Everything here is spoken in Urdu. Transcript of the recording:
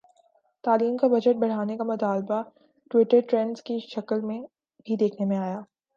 تعلیم کا بجٹ بڑھانے کا مطالبہ ٹوئٹر ٹرینڈز کی شکل میں بھی دیکھنے میں آیا